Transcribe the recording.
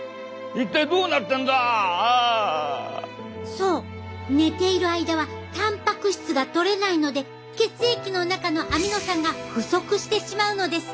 そう寝ている間はたんぱく質がとれないので血液の中のアミノ酸が不足してしまうのです。